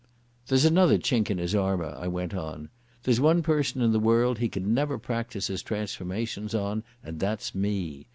"There's another chink in his armour," I went on. "There's one person in the world he can never practise his transformations on, and that's me.